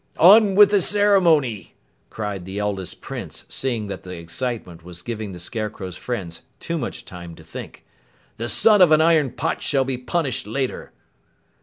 "On with the ceremony!" cried the eldest Prince, seeing that the excitement was giving the Scarecrow's friends too much time to think. "The son of an iron pot shall be punished later!"